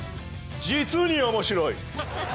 実に面白い！